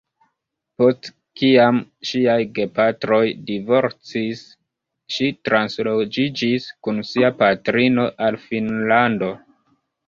Post kiam ŝiaj gepatroj divorcis ŝi transloĝiĝis kun sia patrino al Finnlando.